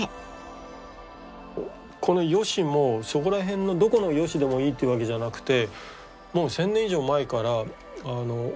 このヨシもそこら辺のどこのヨシでもいいっていうわけじゃなくて。